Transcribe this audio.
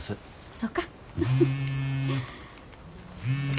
そうか。